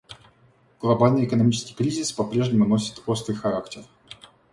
Глобальный экономический кризис попрежнему носит острый характер.